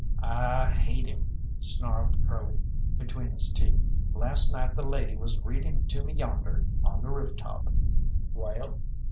"I hate him," snarled Curly between his teeth. "Last night the lady was reading to me yonder, on the roof top." "Well?"